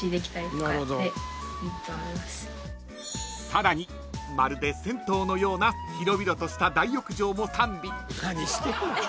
［さらにまるで銭湯のような広々とした大浴場も完備］